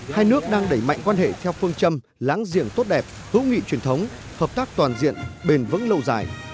hai nước đang đẩy mạnh quan hệ theo phương châm láng giềng tốt đẹp hữu nghị truyền thống hợp tác toàn diện bền vững lâu dài